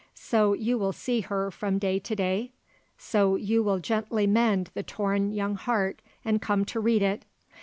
So you will see her from day to day? So you will gently mend the torn young heart and come to read it.